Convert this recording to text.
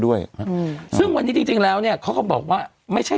ด้วยอืมซึ่งวันนี้จริงจริงแล้วเนี้ยเขาก็บอกว่าไม่ใช่